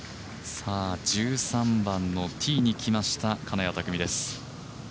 さあ、１３番のティーに来ました金谷拓実です。